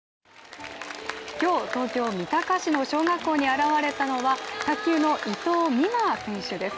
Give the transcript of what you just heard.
今日、東京・三鷹市の小学校に現れたのは卓球の伊藤美誠選手です。